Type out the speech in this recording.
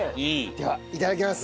ではいただきます。